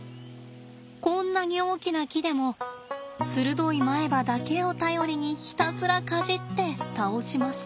こんなに大きな木でもするどい前歯だけを頼りにひたすらかじって倒します。